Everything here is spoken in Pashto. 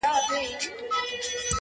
د ښو څه ښه زېږي، د بدو څه واښه.